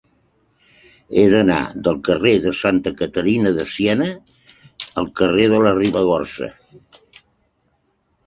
He d'anar del carrer de Santa Caterina de Siena al carrer de la Ribagorça.